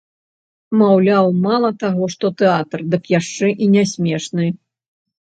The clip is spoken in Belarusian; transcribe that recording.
Маўляў, мала таго, што тэатр, дык яшчэ і не смешны.